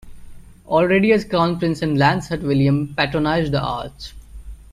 Already as crown prince in Landshut William patronised the arts.